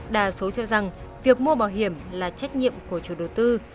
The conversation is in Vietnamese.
đa số cho rằng việc mua bảo hiểm là trách nhiệm của chủ đầu tư